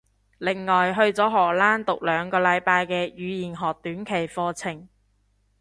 另外去咗荷蘭讀兩個禮拜嘅語言學短期課程